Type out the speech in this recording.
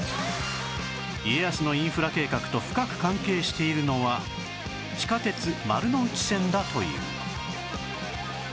家康のインフラ計画と深く関係しているのは地下鉄丸ノ内線だという